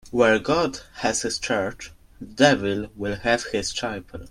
Where God has his church, the devil will have his chapel.